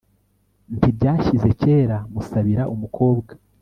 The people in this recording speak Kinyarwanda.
ntibyashyize kera, musabira umukobwa